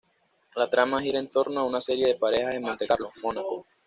La trama gira en torno a una serie de parejas en Monte Carlo, Mónaco.